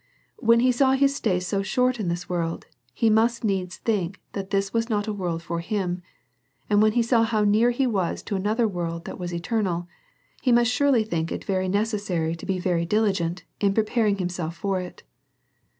When he saw his stay so short in this world, he must needs think that this was not a world for him ; and when he saw how near he was to another world, that was eternal, he must sureiy think it very necessary to be very diligent in preparing him self for it.